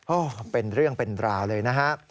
โอ้เป็นเรื่องเป็นราวเลยนะครับ